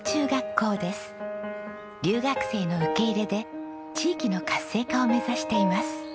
留学生の受け入れで地域の活性化を目指しています。